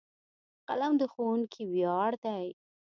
قلم د ښوونکي ویاړ دی.